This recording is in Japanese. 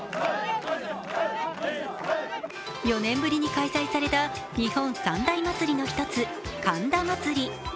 ４年ぶりに開催された日本三大祭りの一つ神田祭。